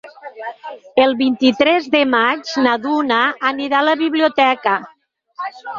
El vint-i-tres de maig na Duna anirà a la biblioteca.